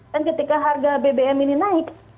dan ketika harga bbm ini naik